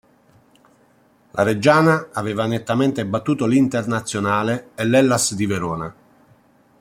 La Reggiana aveva nettamente battuto l’Internazionale e l’Hellas di Verona.